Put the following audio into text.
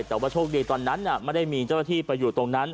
แต่ว่าโชคดีตอนนั้นไม่ได้มีเจ้าหน้าที่ไปอยู่ตรงนั้น